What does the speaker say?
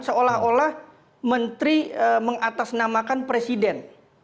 seolah olah menteri mengatasnamakan presiden